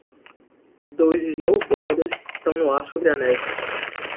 Dois snowboarders estão no ar sobre a neve